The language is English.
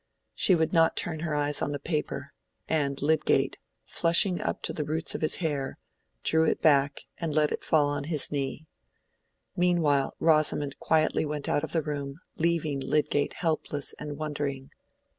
She would not turn her eyes on the paper, and Lydgate, flushing up to the roots of his hair, drew it back and let it fall on his knee. Meanwhile Rosamond quietly went out of the room, leaving Lydgate helpless and wondering.